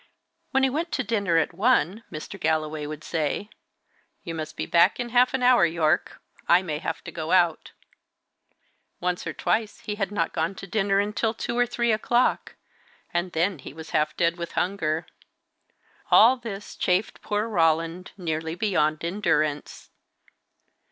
When he went to dinner at one, Mr. Galloway would say, "You must be back in half an hour, Yorke; I may have to go out." Once or twice he had not gone to dinner until two or three o'clock, and then he was half dead with hunger. All this chafed poor Roland nearly beyond endurance.